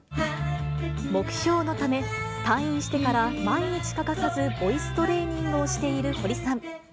目標のため、退院してから毎日欠かさずボイストレーニングをしている堀さん。